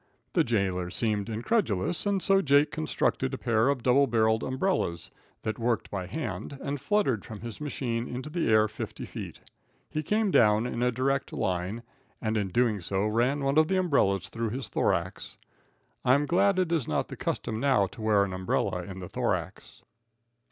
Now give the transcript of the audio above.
The jailer seemed incredulous, and so Jake constructed a pair of double barrel umbrellas, that worked by hand, and fluttered with his machine into the air fifty feet. He came down in a direct line, and in doing so ran one of the umbrellas through his thorax. I am glad it is not the custom now to wear an umbrella in the thorax.